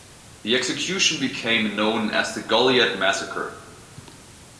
The execution became known as the Goliad Massacre.